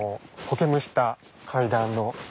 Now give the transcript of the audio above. コケむした階段。